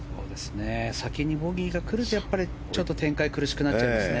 先にボギーが来るとちょっと展開が苦しくなっちゃうんですね。